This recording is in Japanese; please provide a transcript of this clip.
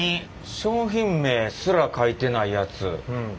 商品名すら書いてないやつ。